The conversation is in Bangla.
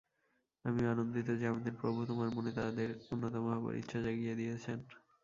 আমি আনন্দিত যে, আমাদের প্রভু তোমার মনে তাঁদের অন্যতম হবার ইচ্ছা জাগিয়ে দিয়েছেন।